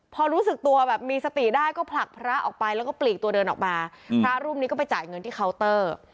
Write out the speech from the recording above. พอรู้สึกตัวแบบมีสติได้ก็ผลักพระออกไปแล้วก็ปลีกตัวเดินออกมาพระรูปนี้ก็ไปจ่ายเงินที่เคาน์เตอร์